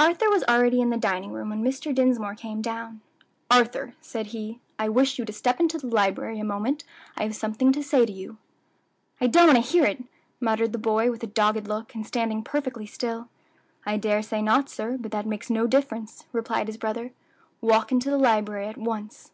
Arthur was already in the dining room when Mr. Dinsmore came down. "Arthur," said he, "I wish you to step into the library a moment; I have something to say to you." "I don't want to hear it," muttered the boy, with a dogged look, and standing perfectly still. "I dare say not, sir; but that makes no difference," replied his brother. "Walk into the library at once."